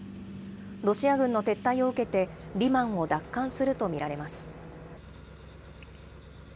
ロシア軍の撤退を受けて、リマンを奪還すると見られます。